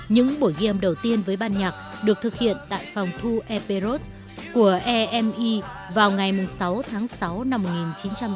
những buổi game đầu tiên với ban nhạc được thực hiện tại phòng thu epirote của emi vào ngày sáu tháng sáu năm một nghìn chín trăm sáu mươi hai